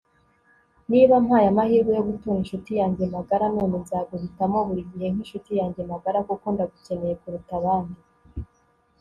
niba mpaye amahirwe yo gutora inshuti yanjye magara, noneho nzaguhitamo buri gihe nkinshuti yanjye magara kuko ndagukeneye kuruta abandi